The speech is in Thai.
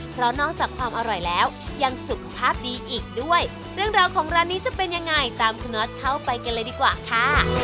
เพราะนอกจากความอร่อยแล้วยังสุขภาพดีอีกด้วยเรื่องราวของร้านนี้จะเป็นยังไงตามคุณน็อตเข้าไปกันเลยดีกว่าค่ะ